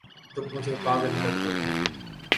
تم مجھے پاگل کر دو گے